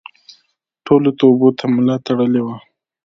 ټولو توبو ته ملا تړلې وه.